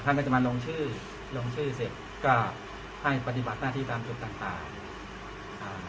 ก็จะมาลงชื่อลงชื่อเสร็จก็ให้ปฏิบัติหน้าที่ตามจุดต่างต่างอ่า